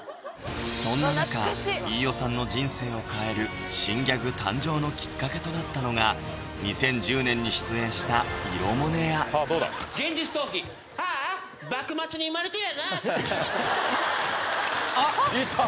そんな中飯尾さんの人生を変える新ギャグ誕生のきっかけとなったのが２０１０年に出演した「イロモネア」「現実逃避」ああ幕末に生まれてりゃなぁあっいった！